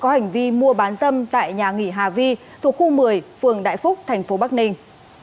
có hành vi mua bán dâm tại nhà nghỉ hà vi thuộc khu một mươi phường đại phúc thành phố bắc ninh